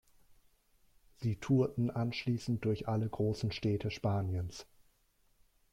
Sie tourten anschließend durch alle großen Städte Spaniens.